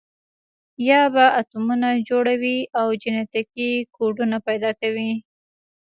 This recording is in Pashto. یا به اتمونه جوړوي او جنټیکي کوډونه پیدا کوي.